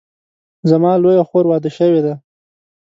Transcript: زما لویه خور واده شوې ده